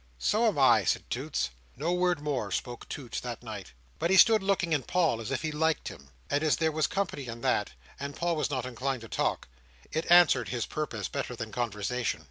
"So am I," said Toots. No word more spoke Toots that night; but he stood looking at Paul as if he liked him; and as there was company in that, and Paul was not inclined to talk, it answered his purpose better than conversation.